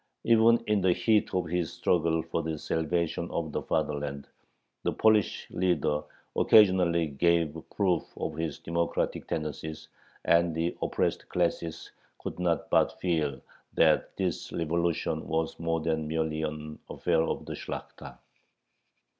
Even in the heat of his struggle for the salvation of the fatherland, the Polish leader occasionally gave proof of his democratic tendencies, and the oppressed classes could not but feel that this revolution was more than merely an affair of the Shlakhta.